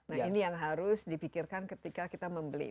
nah ini yang harus dipikirkan ketika kita membeli